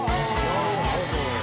なるほど。